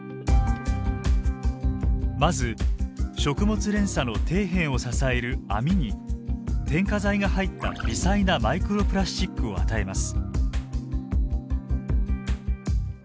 まず食物連鎖の底辺を支えるアミに添加剤が入った微細なマイクロプラスチックを与えます。